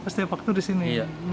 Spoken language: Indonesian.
setiap waktu di sini